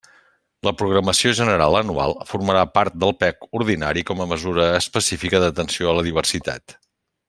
La programació general anual formarà part del PEC ordinari, com a mesura específica d'atenció a la diversitat.